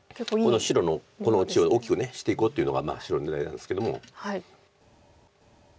この白の地を大きくしていこうというのが白の狙いなんですけども。